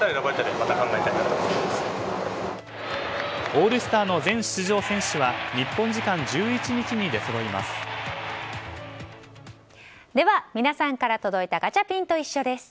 オールスターの全出場選手は日本時間１１日に出そろいます。